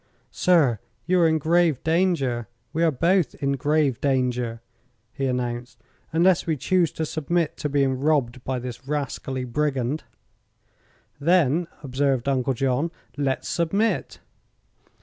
"Sir, you are in grave danger; we are both in grave danger," he announced, "unless we choose to submit to being robbed by this rascally brigand." "Then," observed Uncle John, "let's submit."